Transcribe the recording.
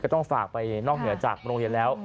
ต้องฝากไปนอกเหนือจากโรงเรียนแล้ว